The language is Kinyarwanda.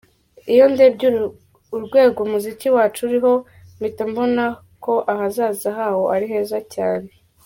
Iyo ndebye urwego umuziki wacu uriho mpita mbona ko ahazaza hawo ari heza cyane.